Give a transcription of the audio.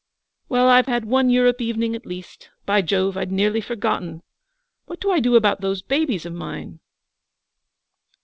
'Well, I've had one Europe evening, at least ... By Jove, I'd nearly forgotten! What do I do about those babies of mine?'